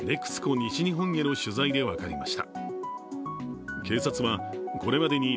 西日本への取材でわかりました。